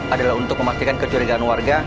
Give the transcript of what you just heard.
adalah untuk memastikan kecurigaan warga